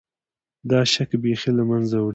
دا شک بیخي له منځه وړي.